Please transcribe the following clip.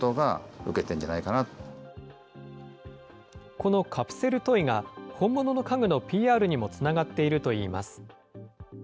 このカプセルトイが、本物の家具のＰＲにもつながっているといいます。